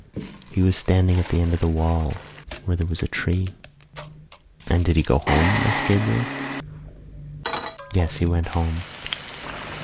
He was standing at the end of the wall where there was a tree." "And did he go home?" asked Gabriel. "Yes, he went home.